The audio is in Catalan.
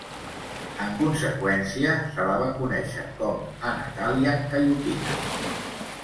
En conseqüència se la va conèixer com a Natalia Khayutina.